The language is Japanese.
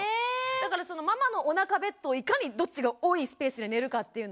だからママのおなかベッドをいかにどっちが多いスペースで寝るかっていうのが。